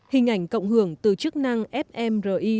hình ảnh cộng hưởng từ chức năng fmri